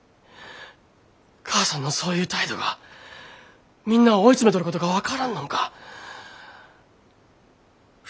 母さんのそういう態度がみんなを追い詰めとることが分からんのんか？